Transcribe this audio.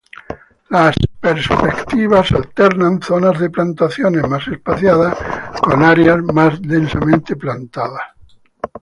Las perspectivas alternan zonas de plantaciones más espaciadas con áreas más densamente plantadas.